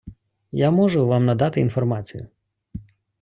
Я можу вам надати інформацію.